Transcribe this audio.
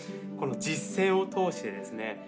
この実践を通してですね